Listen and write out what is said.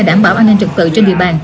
đảm bảo an ninh trật tự trên địa bàn